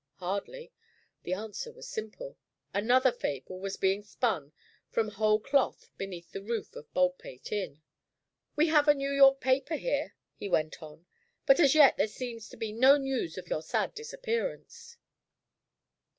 Hardly. The answer was simple. Another fable was being spun from whole cloth beneath the roof of Baldpate Inn. "We have a New York paper here," he went on, "but as yet there seems to be no news of your sad disappearance."